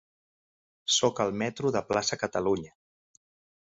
Soc al metro de Plaça Catalunya.